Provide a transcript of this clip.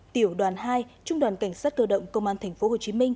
tiểu đoàn hai trung đoàn cảnh sát cơ động công an tp hcm